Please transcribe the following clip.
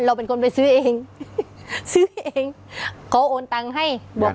เราเป็นคนไปซื้อเองซื้อเองเขาโอนตังค์ให้บอก